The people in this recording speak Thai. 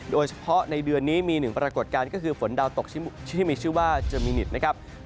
โดยเฉพาะในเดือนนี้มีหนึ่งปรากฏการณ์ก็คือฝนดาวตกที่มีชื่อว่าเจอมินิตนะครับ